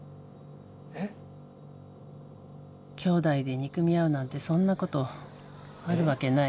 兄弟で憎み合うなんてそんなことあるわけない。